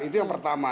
itu yang pertama